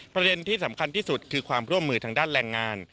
ประเด็นที่สำคัญที่สุดคือความร่วมมือทางด้านแรงงาน